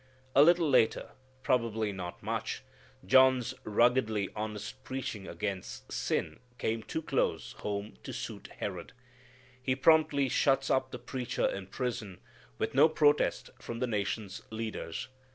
A little later, probably not much, John's ruggedly honest preaching against sin came too close home to suit Herod. He promptly shuts up the preacher in prison, with no protest from the nation's leaders.